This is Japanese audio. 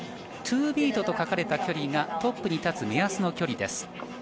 ＴＯＢＥＡＴと書かれた距離がトップに立つ目安の距離です。